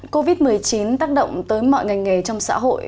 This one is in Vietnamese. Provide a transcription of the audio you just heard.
covid một mươi chín tác động tới mọi ngành nghề trong xã hội